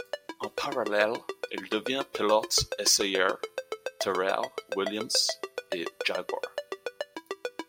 En parallèle, il devient pilote essayeur Tyrrell, Williams et Jaguar.